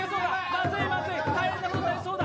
まずいまずい大変なことになりそうだ。